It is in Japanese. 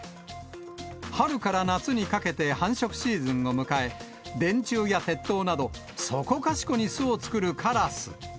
春から夏にかけて繁殖シーズンを迎え、電柱や鉄塔など、そこかしこに巣を作るカラス。